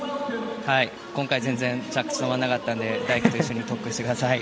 今回、全然着地が止まらなかったので大輝と一緒に特訓してください。